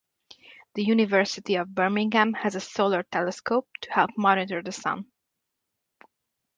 The University of Birmingham has a solar telescope to help monitor the Sun.